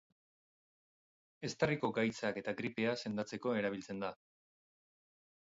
Eztarriko gaitzak eta gripea sendatzeko erabiltzen da.